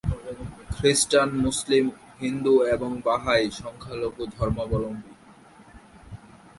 খ্রিস্টান, মুসলিম, হিন্দু এবং বাহাই সংখ্যালঘু ধর্মাবলম্ববী।